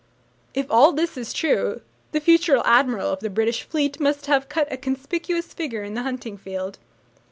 If all this is true, the future admiral of the British Fleet must have cut a conspicuous figure in the hunting field.